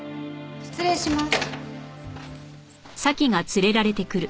失礼します。